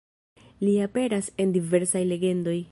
Li aperas en diversaj legendoj.